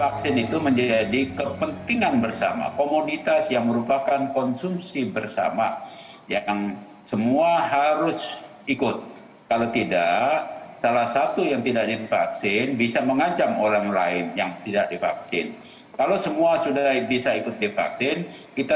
kita semua bisa dengan tenang melakukan kegiatan kegiatan memutar rada ekonomi pada akhirnya